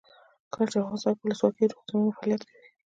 کله چې افغانستان کې ولسواکي وي روغتونونه فعالیت کوي.